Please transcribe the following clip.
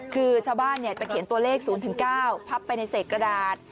คือชาวบ้านจะเขียนตัวเลข๐๙พับไปในเศษกระดาษ